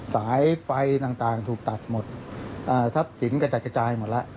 สายไฟต่างถูกตัดหมดทรัพย์สินกระจัดกระจายหมดแล้ว